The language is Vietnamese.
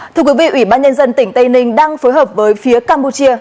thưa quý vị ủy ban nhân dân tỉnh tây ninh đang phối hợp với phía campuchia